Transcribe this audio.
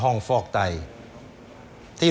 ก็ต้องชมเชยเขาล่ะครับเดี๋ยวลองไปดูห้องอื่นต่อนะครับ